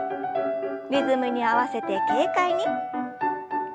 リズムに合わせて軽快に。